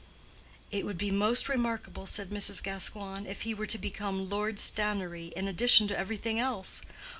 "It would be most remarkable," said Mrs. Gascoigne, "if he were to become Lord Stannery in addition to everything else.